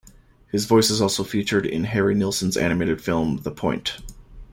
His voice is also featured in Harry Nilsson's animated film The Point!